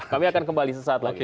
kami akan kembali sesaat lagi